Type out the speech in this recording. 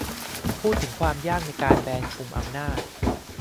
พูดถึงความยากในการแบนกลุ่มอำนาจ